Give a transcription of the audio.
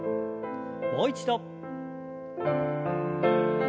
もう一度。